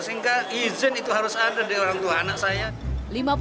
sehingga izin itu harus ada di orang tua anak saya